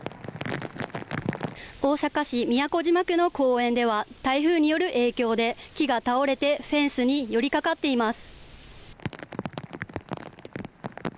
大阪市都島区の公園では台風による影響で木が倒れてフェンスに寄りかかっています。